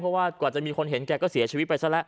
เพราะว่ากว่าจะมีคนเห็นแกก็เสียชีวิตไปซะแล้ว